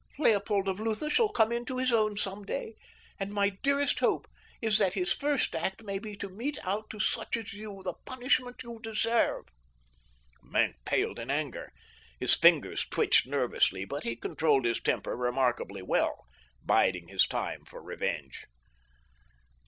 "Leopold of Lutha shall come into his own some day, and my dearest hope is that his first act may be to mete out to such as you the punishment you deserve." Maenck paled in anger. His fingers twitched nervously, but he controlled his temper remarkably well, biding his time for revenge.